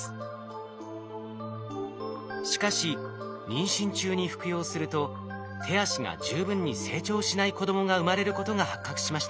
しかし妊娠中に服用すると手足が十分に成長しない子供が産まれることが発覚しました。